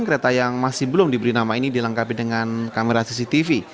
kereta yang masih belum diberi nama ini dilengkapi dengan kamera cctv